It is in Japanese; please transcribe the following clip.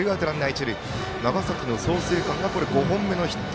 長崎の創成館が５本目のヒット。